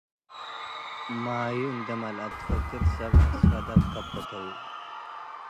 ማዩ እንዴ መልአ እት ፈግር ሰብ አስፈደ ትከበተው፣